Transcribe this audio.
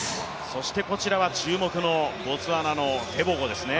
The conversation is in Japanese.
そしてこちらは注目のボツワナのテボゴですね。